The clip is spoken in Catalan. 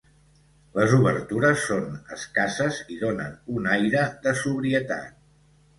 Les obertures són escasses i donen un aire de sobrietat.